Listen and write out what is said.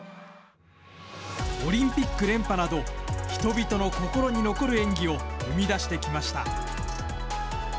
オリンピック連覇など、人々の心に残る演技を生み出してきました。